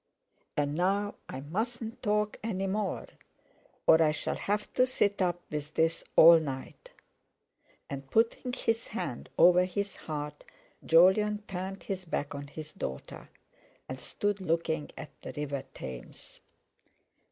And now I mustn't talk any more, or I shall have to sit up with this all night." And, putting his hand over his heart, Jolyon turned his back on his daughter and stood looking at the river Thames.